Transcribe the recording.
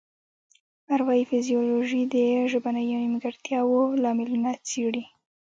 اروايي فزیولوژي د ژبنیو نیمګړتیاوو لاملونه څیړي